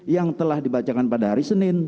yang telah dibacakan pada hari senin